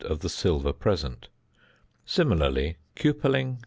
of the silver present. Similarly, cupelling 0.